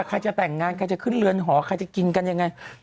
ใครจะแต่งงานใครจะขึ้นเรือนหอใครจะกินกันยังไง